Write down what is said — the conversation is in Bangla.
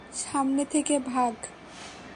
সামনে থেকে ভাগ!